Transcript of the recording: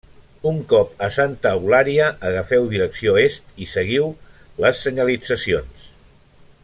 Un cop a Santa Eulària, agafeu direcció est i seguiu les senyalitzacions.